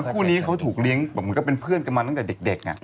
คู่นี้เขาถูกเลี้ยงแบบเหมือนก็เป็นเพื่อนกันมาตั้งแต่เด็ก